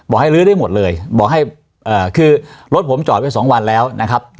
ให้ลื้อได้หมดเลยบอกให้คือรถผมจอดไว้สองวันแล้วนะครับ